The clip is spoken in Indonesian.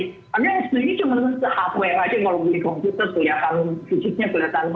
tapi yang ini cuma se hp aja kalau di komputer kelihatan fisiknya kelihatan